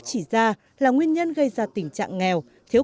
chỉ ra là nguyên nhân gây ra tình trạng nghèo thiếu